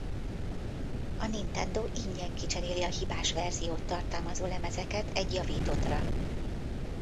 A Nintendo ingyen kicseréli a hibás verziót tartalmazó lemezeket egy javítottra.